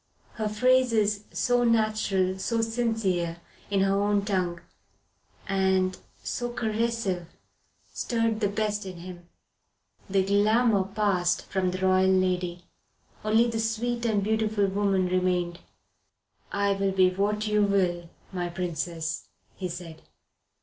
Her phrases, so natural, so sincere, in her own tongue, and so caressive, stirred the best in him. The glamour passed from the royal lady; only the sweet and beautiful woman remained. "I will be what you will, my Princess," he said.